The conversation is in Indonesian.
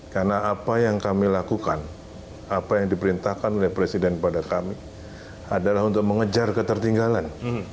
karena apa yang kami lakukan apa yang diperintahkan oleh presiden kepada kami adalah untuk mengejar ketertinggalan